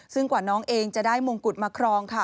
ซึ่งกว่าน้องเองจะได้มงกุฎมาครองค่ะ